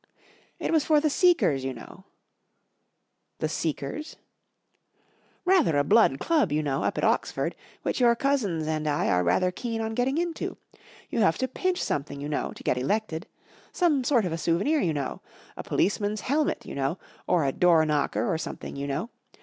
44 It was for The Seekers, you know ."" The Seekers ?"" Rather a blood club, you know, up at Oxford, which your cousins and I are rather keen on getting into. You have to pinch something, you know, to get elected. Some sort of a souvenir, you know . A policeman's helmet, you know, or a door knocker or something, you know